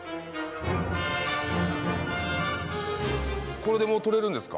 これでもう取れるんですか？